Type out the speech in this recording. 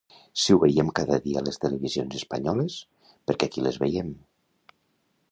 Si ho veiem cada dia a les televisions espanyoles, perquè aquí les veiem.